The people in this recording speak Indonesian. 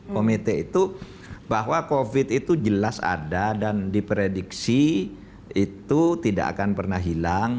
komite itu bahwa covid itu jelas ada dan diprediksi itu tidak akan pernah hilang